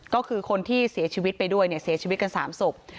ก็คือคนที่เสียชีวิตไปด้วยเนี่ยเสียชีวิตกัน๓ศพ